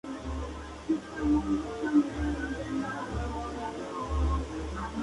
Por primera vez la prensa nipona se hacía eco del caso.